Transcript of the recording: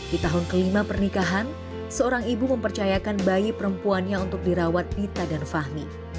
di tahun kelima pernikahan seorang ibu mempercayakan bayi perempuannya untuk dirawat dita dan fahmi